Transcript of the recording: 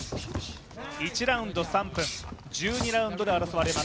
１ラウンド３分、１２ラウンドで争われます